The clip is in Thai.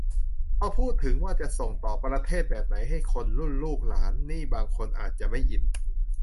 พอพูดถึงว่าจะส่งต่อประเทศแบบไหนให้คนรุ่นลูกหลานนี่บางคนอาจจะไม่อิน